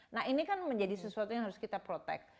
nah ini kan menjadi sesuatu yang harus kita protect